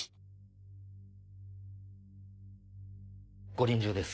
ご臨終です。